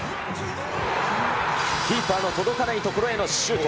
キーパーの届かない所へのシュート。